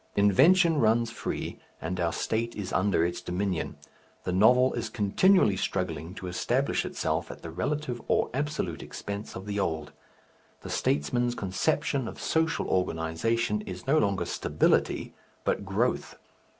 Invention runs free and our state is under its dominion. The novel is continually struggling to establish itself at the relative or absolute expense of the old. The statesman's conception of social organization is no longer stability but growth.